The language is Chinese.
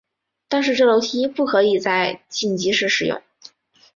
但是这楼梯不可以在紧急时使用。